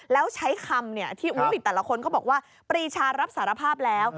แล้วใช้คำที่แต่ละคนก็บอกว่าปรีชารับสารภาพแล้ว